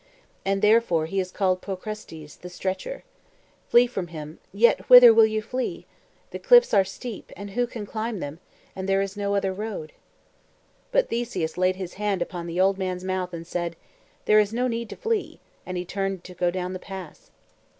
And therefore he is called Procrustes, the stretcher. Flee from him: yet whither will you flee? The cliffs are steep, and who can climb them? and there is no other road." But Theseus laid his hand upon the old man's mouth, and said: "There is no need to flee;" and he turned to go down the pass.